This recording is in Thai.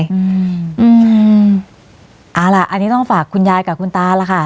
อืมเอาล่ะอันนี้ต้องฝากคุณยายกับคุณตาล่ะค่ะ